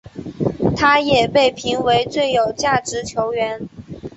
他也被评为最有价值球员。